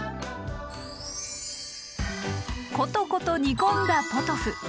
コトコト煮込んだポトフ。